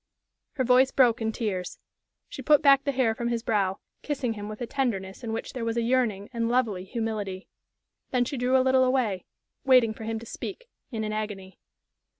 Her voice broke in tears. She put back the hair from his brow, kissing him with a tenderness in which there was a yearning and lovely humility. Then she drew a little away, waiting for him to speak, in an agony.